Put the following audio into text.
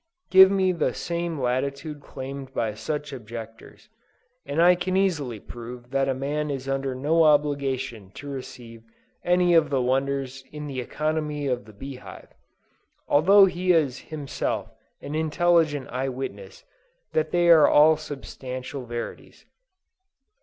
Give me the same latitude claimed by such objectors, and I can easily prove that a man is under no obligation to receive any of the wonders in the economy of the bee hive, although he is himself an intelligent eye witness that they are all substantial verities.